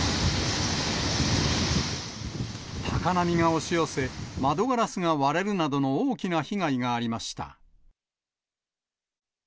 高波が押し寄せ、窓ガラスが割れるなどの大きな被害がありました。